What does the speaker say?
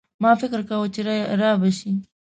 ما فکر کاوه چي رابه شي.